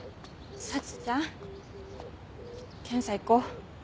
沙智ちゃん検査行こう。